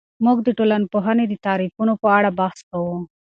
موږ د ټولنپوهنې د تعریفونو په اړه بحث کوو.